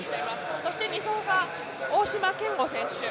そして２走が大島健吾選手。